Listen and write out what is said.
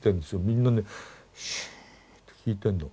みんなねシーンと聴いてるの。